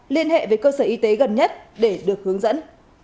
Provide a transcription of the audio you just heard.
liên hệ với cơ sở y tế gần nhất để được hướng dẫn